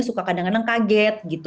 suka kadang kadang kaget